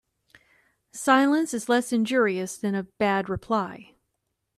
Silence is less injurious than a bad reply.